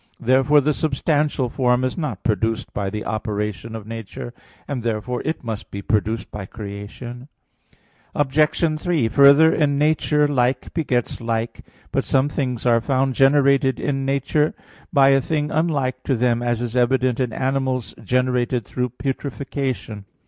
Therefore the substantial form is not produced by the operation of nature; and therefore it must be produced by creation. Obj. 3: Further, in nature like begets like. But some things are found generated in nature by a thing unlike to them; as is evident in animals generated through putrefaction.